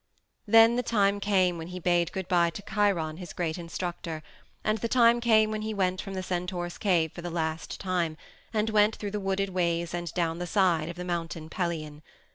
Then the time came when he bade good by to Chiron his great instructor; the time came when he went from the centaur's cave for the last time, and went through the wooded ways and down the side of the Mountain Pelion.